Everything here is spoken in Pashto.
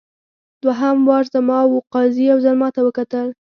دوهم وار زما وو قاضي یو ځل ماته وکتل.